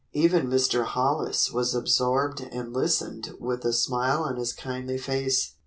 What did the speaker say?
Even Mr. Hollis was absorbed and listened with a smile on his kindly face.